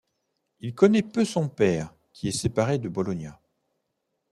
Il connaît peu son père, qui est séparé de Bolonia.